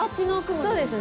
そうですね。